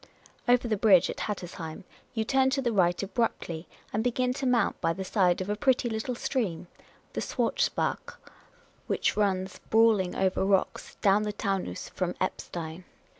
Over the bridge at Hattersheim you turn to the right abruptly, and begin to mount by the side of a pretty little stream, the Schwarzbach, which runs brawling over rocks down the Taunus from Eppstein.